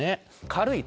「軽い」。